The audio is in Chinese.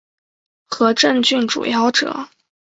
和政郡主夭折。